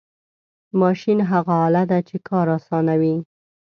ماشین هغه آله ده چې کار آسانوي.